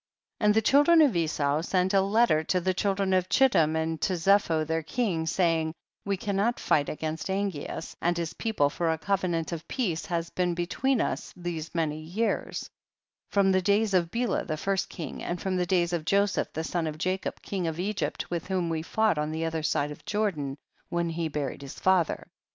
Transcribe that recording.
19. And the children of Esau sent a letter to the children of Chittim and to Zepho their king, saying, we cannot fight against Angeas and his people for a covenant of peace has been between us these many years, from the days of Bela the first king, and from the days of Joseph the son of Jacob king of Egypt, Avith whom we fought on the other side of Jor dan when he buried his father.